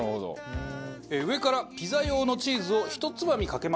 上からピザ用のチーズをひとつまみかけます。